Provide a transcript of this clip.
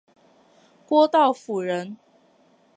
郭道甫人。